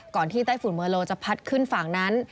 ที่ไต้ฝุ่นเมอโลจะพัดขึ้นฝั่งนั้น